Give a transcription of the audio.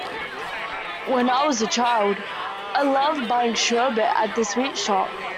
When I was a child, I loved buying sherbet at the sweet shop